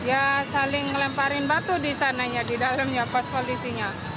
ya saling melemparin batu di sananya di dalamnya pas kondisinya